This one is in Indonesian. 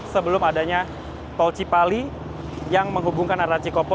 sebelum adanya tol cipali yang menghubungkan arancikopo